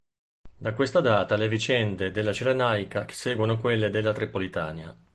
Da questa data le vicende della Cirenaica seguono quelle della Tripolitania.